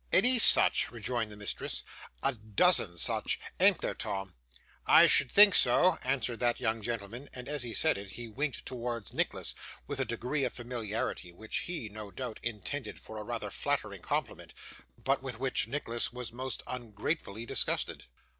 'Any such!' rejoined the mistress; 'a dozen such. An't there, Tom?' 'I should think so,' answered that young gentleman; and as he said it, he winked towards Nicholas, with a degree of familiarity which he, no doubt, intended for a rather flattering compliment, but with which Nicholas was most ungratefully disgusted.